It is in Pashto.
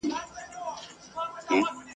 موږ به ولي د قصاب چړې ته تللای !.